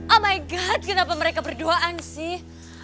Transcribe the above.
oh my god kenapa mereka berduaan sih